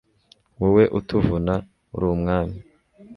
wowe utuvuna, uri umwami